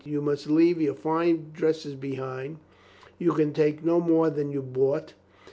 You must leave your fine dresses behind. You can take no more than you brought.